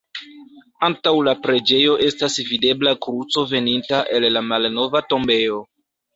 Antaŭ la preĝejo estas videbla kruco veninta el la malnova tombejo.